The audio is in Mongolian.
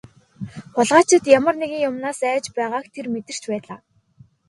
Хулгайлагчид ямар нэгэн юмнаас айж байгааг тэр мэдэрч байлаа.